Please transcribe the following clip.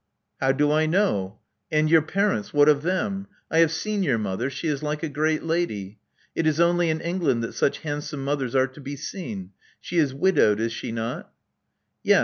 How do I know? And your parents, what of them? I have seen your mother: she is like a great lady. It is only in England that such handsome mothers are to be seen. She is widowed, is she not?" Yes.